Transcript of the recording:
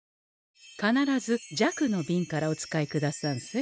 必ず「弱」のビンからお使いくださんせ。